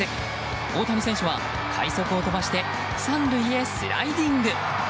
大谷選手は、快足を飛ばして３塁へスライディング。